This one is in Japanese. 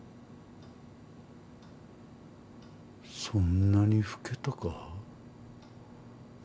そんなに老けたか？